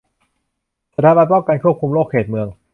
สถาบันป้องกันควบคุมโรคเขตเมือง